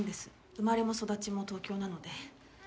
生まれも育ちも東京なので。